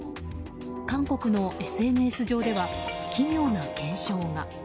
韓国のＳＮＳ上では奇妙な現象が。